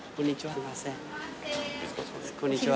こんにちは。